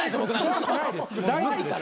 怖いから。